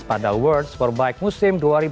pada world sportbike musim dua ribu dua puluh tiga